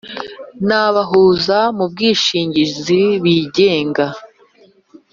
n’ abahuza mu bwishingizi bigenga